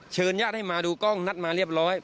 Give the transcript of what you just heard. ญาติให้มาดูกล้องนัดมาเรียบร้อย